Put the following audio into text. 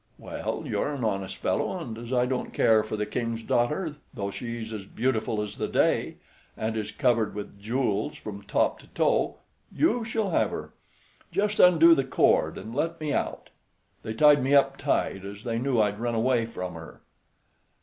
"Well, you're an honest fellow, and as I don't care for the King's daughter, though she's as beautiful as the day, and is covered with jewels from top to toe, you shall have her. Just undo the cord and let me out; they tied me up tight, as they knew I'd run away from her."